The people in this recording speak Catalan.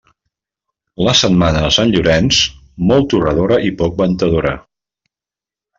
La setmana de Sant Llorenç, molt torradora i poc ventadora.